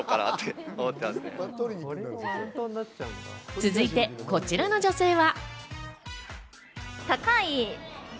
続いて、こちらの女性は。